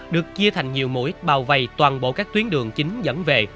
được chia thành nhiều mũi bao vây toàn bộ các tuyến đường chính dẫn về